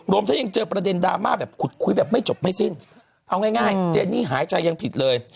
ทั้งยังเจอประเด็นดราม่าแบบขุดคุยแบบไม่จบไม่สิ้นเอาง่ายเจนี่หายใจยังผิดเลย